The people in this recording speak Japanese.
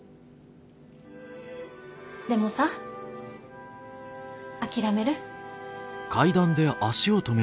でもさ諦める。